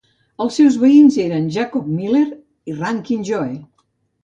Els seus veïns eren Jacob Miller i Ranking Joe.